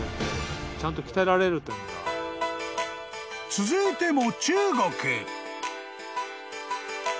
［続いても］